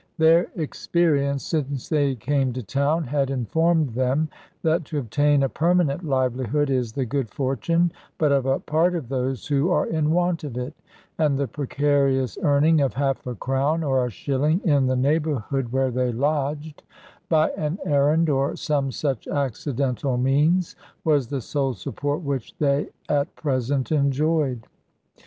Their experience, since they came to town, had informed them that to obtain a permanent livelihood is the good fortune but of a part of those who are in want of it: and the precarious earning of half a crown, or a shilling, in the neighbourhood where they lodged, by an errand, or some such accidental means, was the sole support which they at present enjoyed.